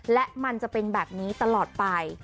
และมันจะเป็นแบบนี้ตลอดไป